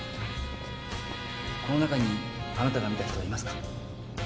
この中にあなたが見た人はいますか？